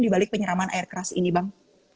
dibalik penyeraman air keras ini bang